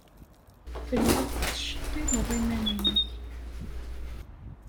Telliḍ tettceṭṭineḍ iman-nnek.